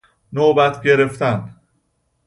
نوبت گرفتن